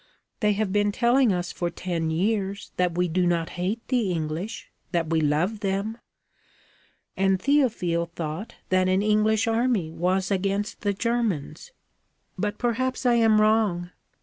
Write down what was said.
They have been telling us for ten years that we do not hate the English that we love them. And Théophile thought that an English army was against the Germans. But perhaps I am wrong.